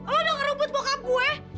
lo udah ngerebut bokap gue